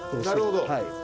なるほど。